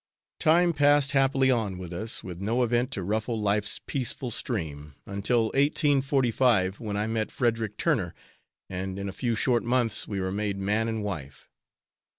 Time passed happily on with us, with no event to ruffle life's peaceful stream, until 1845, when I met Frederick Turner, and in a few short months we were made man and wife.